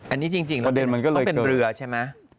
อันนี้จริงประเด็นมันก็เลยเกิดมันเป็นเรือใช่ไหม